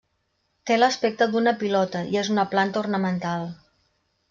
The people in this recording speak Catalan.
Té l'aspecte d'una pilota i és una planta ornamental.